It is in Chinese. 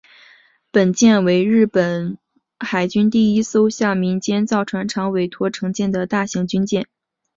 本舰为日本海军第一艘向民间造船厂委托承建的大型军舰。